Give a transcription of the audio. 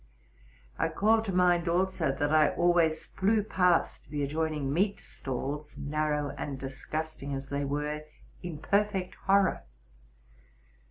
I call to mind, also, that I alw ays flew past the adjoining meat stalls, narrow and disgusting as a 16 TRUTH AND FICTION \hey were, in perfect horror.